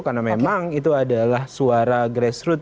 karena memang itu adalah suara grassroots